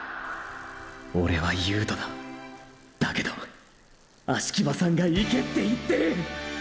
オレは悠人だだけど葦木場さんが「行け」って言ってる！！